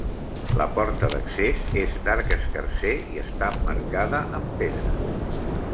La porta d'accés és d'arc escarser i està emmarcada amb pedra.